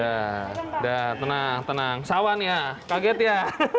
udah tenang tenang sawan ya kaget ya